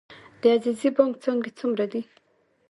د عزیزي بانک څانګې څومره دي؟